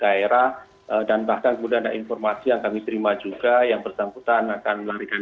dan berkesimpulan harus dilakukan penangkapan terhadap yang bersangkutan bahwa betul ada informasi yang bersangkutan akan pergi ke suatu rumah